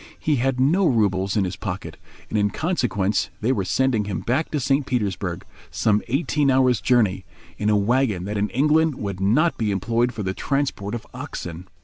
He had no roubles in his pocket, and in consequence they were sending him back to St. Petersburg—some eighteen hours' journey—in a wagon that in England would not be employed for the transport of oxen.